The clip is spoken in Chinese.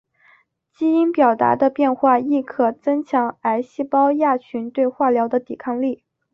基因表达的变化亦可增强癌细胞亚群对化疗的抵抗力。